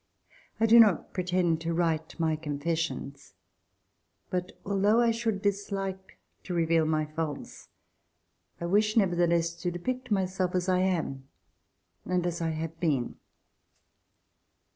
I do not pretend to write my confessions, but al though I should dislike to reveal my faults, I wish nevertheless to depict myself as I am and as I have been.